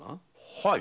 はい。